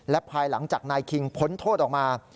และภายหลังจากนายคิงพ้นโทษออกมา